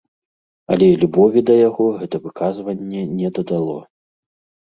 Аднак любові да яго гэта выказванне не дадало.